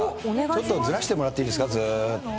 ちょっとずらしてもらっていいですか、ずっと。